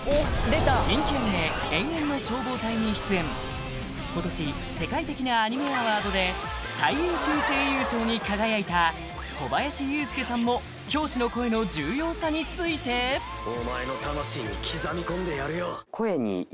人気アニメ「炎炎ノ消防隊」に出演今年世界的なアニメアワードで最優秀声優賞に輝いた小林裕介さんも教師の声の重要さについてお前の魂に刻み込んでやるよ